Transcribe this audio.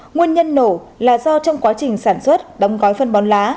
nguyên nhân nổ là do trong quá trình sản xuất đóng gói phân bón lá